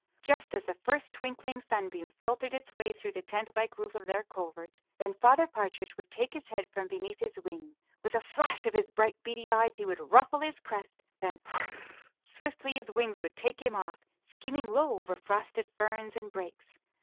Just as the first twinkling sunbeam filtered its way through the tent like roof of their covert, then Father Partridge would take his head from beneath his wing; with a flash of his bright, beady eyes he would ruffle his crest, then "whir r r," swiftly his wings would take him off, skimming low over frosted ferns and brakes.